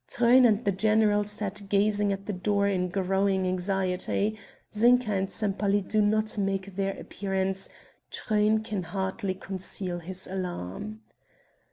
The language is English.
Truyn and the general sat gazing at the door in growing anxiety; Zinka and Sempaly do not make their appearance Truyn can hardly conceal his alarm.